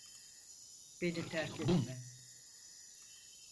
Beni terk etme.